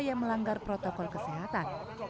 yang melanggar protokol kesehatan